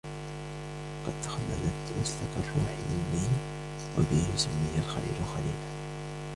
قَدْ تَخَلَّلْتَ مَسْلَكَ الرُّوحِ مِنِّي وَبِهِ سُمِّيَ الْخَلِيلُ خَلِيلًا